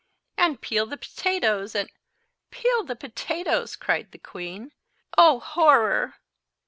"And peel the potatoes, and"— "Peel the potatoes!" cried the queen. "Oh, horror!"